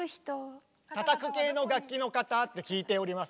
叩く系の楽器の方？って聞いております。